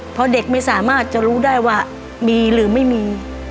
เพราะเด็กไม่สามารถจะรู้ได้ว่ามีหรือไม่มี